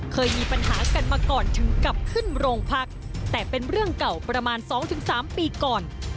เคยมีปัญหากันมาก่อนถึงกลับขึ้นโรงพักแต่เป็นเรื่องเก่าประมาณ๒๓ปีก่อน